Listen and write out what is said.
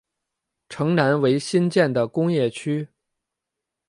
城南为新建的工业区。